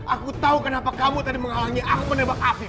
aku tahu kenapa kamu tadi menghalangi aku menembak afif